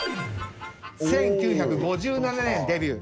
１９５７年デビュー！